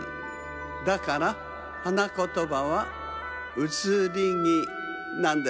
だからはなことばは「うつりぎ」なんですって。